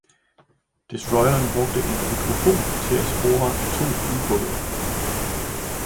Destroyeren brugte en hydrofon til at spore atomubåden.